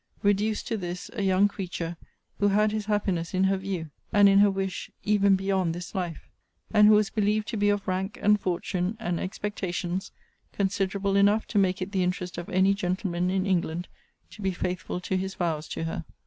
] reduced to this a young creature, who had his happiness in her view, and in her wish, even beyond this life; and who was believed to be of rank, and fortune, and expectations, considerable enough to make it the interest of any gentleman in England to be faithful to his vows to her.